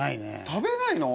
食べないの？